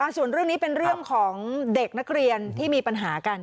ส่วนเรื่องนี้เป็นเรื่องของเด็กนักเรียนที่มีปัญหากัน